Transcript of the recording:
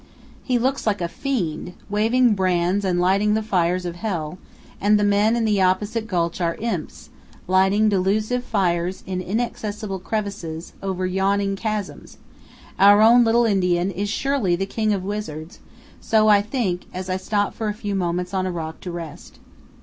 He looks like a fiend, waving brands and lighting the fires of hell, and the men in the opposite gulch are imps, lighting delusive fires in inaccessible crevices, over yawning chasms; our own little Indian is surely the king of wizards, so I think, as I stop for a few moments on a rock to rest.